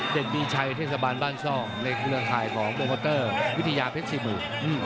เด็กมีชัยเทศบาลบ้านซ่องในเครือข่ายของโปรโมเตอร์วิทยาเพชรสี่หมื่น